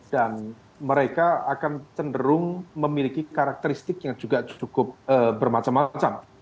dan mereka akan cenderung memiliki karakteristik yang juga cukup bermacam macam